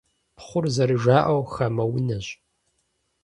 Пхъур, зэрыжаӀэу, хамэ унэщ.